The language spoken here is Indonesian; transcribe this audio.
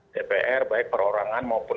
dpr baik perorangan maupun